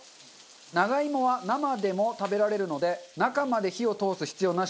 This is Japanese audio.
長芋は生でも食べられるので中まで火を通す必要なし。